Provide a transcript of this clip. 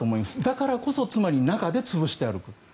だからこそ中で潰して歩く。